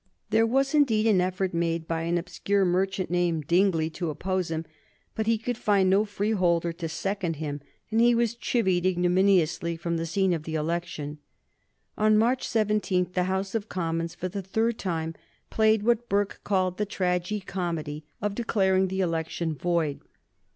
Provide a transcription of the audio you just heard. There was, indeed, an effort made by an obscure merchant named Dingley to oppose him, but he could find no freeholder to second him, and he was chivied ignominiously from the scene of the election. On March 17 the House of Commons, for the third time, played what Burke called the tragi comedy of declaring the election void.